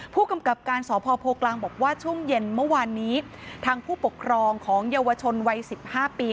ผู้กำกับการสพโพกลางบอกว่าช่วงเย็นเมื่อวานนี้ทางผู้ปกครองของเยาวชนวัยสิบห้าปี